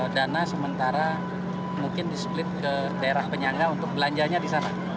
dana sementara mungkin di split ke daerah penyangga untuk belanjanya di sana